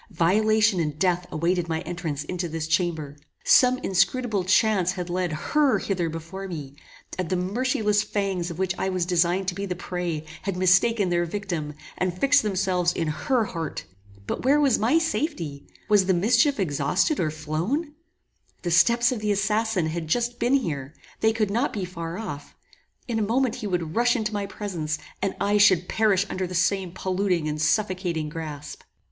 Violation and death awaited my entrance into this chamber. Some inscrutable chance had led HER hither before me, and the merciless fangs of which I was designed to be the prey, had mistaken their victim, and had fixed themselves in HER heart. But where was my safety? Was the mischief exhausted or flown? The steps of the assassin had just been here; they could not be far off; in a moment he would rush into my presence, and I should perish under the same polluting and suffocating grasp!